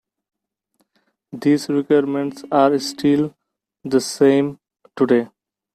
These requirements are still the same today.